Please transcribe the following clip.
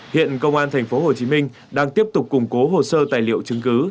hiện công an tp hcm đang tiếp tục củng cố hồ sơ tài liệu chứng cứ